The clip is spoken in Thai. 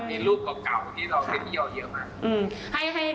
มีรูปเก่าที่เราไปเที่ยวเยอะมาก